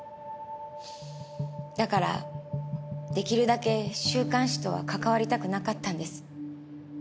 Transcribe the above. だからできるだけ週刊誌とは関わりたくなかったんです。